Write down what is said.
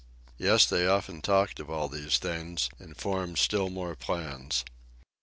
Yes; they often talked of all these things and formed still more plans.